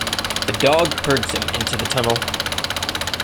The dog herds him into the tunnel.